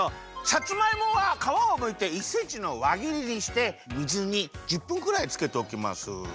さつまいもはかわをむいて１センチのわぎりにして水に１０分くらいつけておきます。